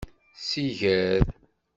Siger.